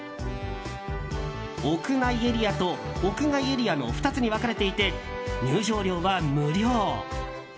屋内エリアと屋外エリアの２つに分かれていて入場料は無料。